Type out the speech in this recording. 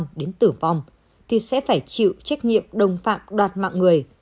nếu trang đến tử vong thì sẽ phải chịu trách nhiệm đồng phạm đoạt mạng người